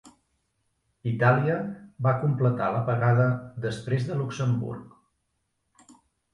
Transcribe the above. Itàlia va completar l'apagada després de Luxemburg.